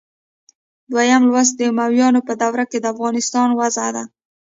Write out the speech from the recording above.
دویم لوست د امویانو په دوره کې د افغانستان وضع ده.